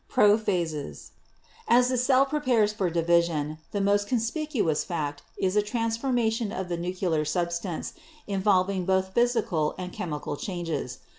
Prophases. — As the cell prepares for division, the most conspicuous fact is a transformation of the nuclear substance, involving both physical and chemical changes.